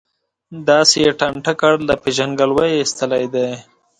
داسې یې ټانټه کړ، له پېژندګلوۍ یې ایستلی دی.